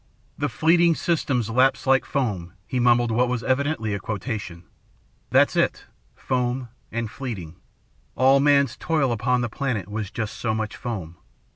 "'The fleeting systems lapse like foam,'" he mumbled what was evidently a quotation. "That's it foam, and fleeting. All man's toil upon the planet was just so much foam.